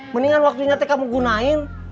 mendingan waktunya ten kamu gunain